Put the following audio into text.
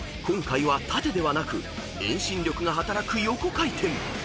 ［今回は縦ではなく遠心力が働く横回転］